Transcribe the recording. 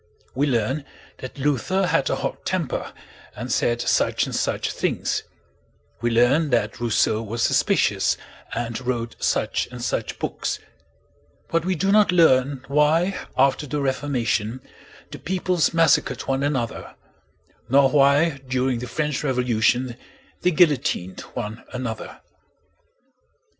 We learn that Luther had a hot temper and said such and such things; we learn that Rousseau was suspicious and wrote such and such books; but we do not learn why after the Reformation the peoples massacred one another, nor why during the French Revolution they guillotined one another.